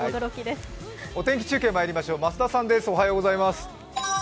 お天気中継まいりましょう、増田さんです。